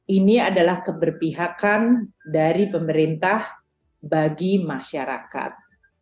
ini adalah keberpihakan dari pemerintah bagi masyarakat